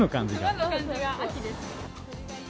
和の感じが秋です。